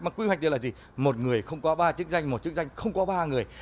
mà quy hoạch thì là gì một người không có ba chức danh một chức danh không có ba người